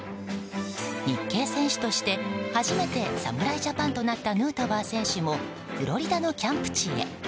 日系選手として初めて侍ジャパンとなったヌートバー選手もフロリダのキャンプ地へ。